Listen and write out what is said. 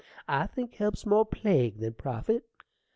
I think help's more plague than profit.